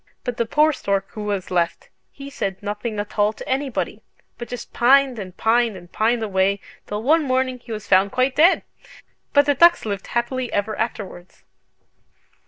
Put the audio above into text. But the poor stork who was left, he said nothing at all to anybody, but just pined and pined and pined away, till one morning he was found quite dead! But the ducks lived happily ever afterwards!"